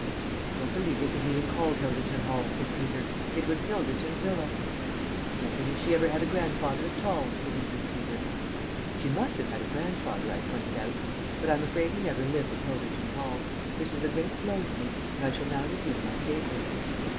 "I don't believe it was even called Hilderton Hall," said Peter. "It was Hilderton Villa." "I don't believe she ever had a grandfather at all," said Mrs. Peter. "She must have had a grandfather," I pointed out. "But I'm afraid he never lived at Hilderton Hall. This is a great blow to me, and I shall now resume my bacon."